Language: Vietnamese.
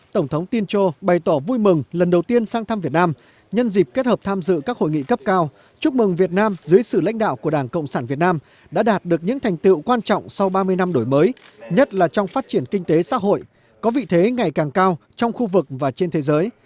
tổng thống tincha bày tỏ vui mừng lần đầu tiên sang thăm việt nam nhân dịp kết hợp tham dự các hội nghị cấp cao chúc mừng việt nam dưới sự lãnh đạo của đảng cộng sản việt nam đã đạt được những thành tiệu quan trọng sau ba mươi năm đổi mới nhất là trong phát triển kinh tế xã hội có vị thế ngày càng cao trong khu vực và trên thế giới